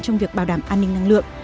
trong việc bảo đảm an ninh năng lượng